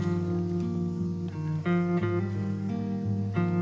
winmore di radar